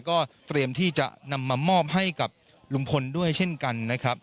ก็เตรียมที่จะนำมามอบให้กับลุงพลด้วยเช่นกันนะครับ